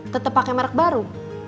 tetep pake merk baru